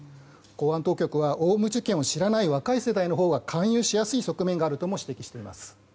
公安当局はオウム事件を知らない若い世代が勧誘しやすい側面があるとも指摘しています。